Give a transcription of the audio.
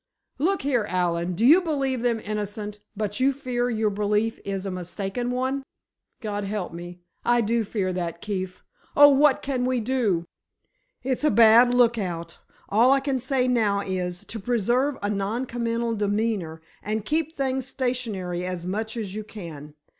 "Look here, Allen, you do believe them innocent—but you fear your belief is a mistaken one!" "God help me, I do fear that, Keefe! Oh, what can we do?" "It's a bad lookout! All I can say now, is, to preserve a non committal demeanor, and keep things stationary as much as you can.